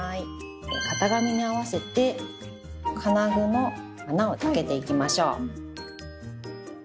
型紙に合わせて金具の穴を開けていきましょう。